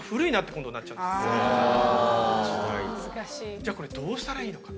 じゃあこれどうしたらいいのか。